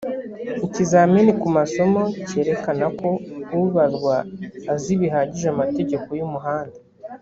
ikizamini ku masomo cyerekana ko ubazwa azi bihagije amategeko y’umuhanda